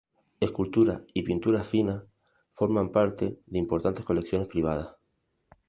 Esculturas y pinturas finas, forman parte de importantes colecciones privadas.